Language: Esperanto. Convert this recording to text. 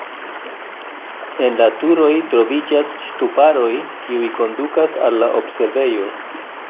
En la turoj troviĝas ŝtuparoj, kiuj kondukas al la observejo.